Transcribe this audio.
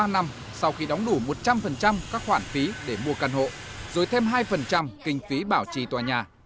ba năm sau khi đóng đủ một trăm linh các khoản phí để mua căn hộ rồi thêm hai kinh phí bảo trì tòa nhà